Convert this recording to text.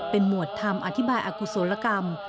เป็นหมวดธรรมอธิบายอากุศลกรรม